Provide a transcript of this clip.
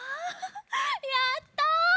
やった！